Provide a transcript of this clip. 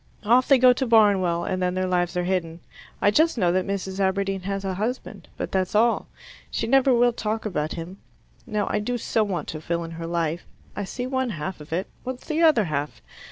Off they go to Barnwell, and then their lives are hidden. I just know that Mrs. Aberdeen has a husband, but that's all. She never will talk about him. Now I do so want to fill in her life. I see one half of it. What's the other half?